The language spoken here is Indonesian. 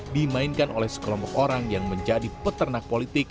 dimainkan oleh sekelompok orang yang menjadi peternak politik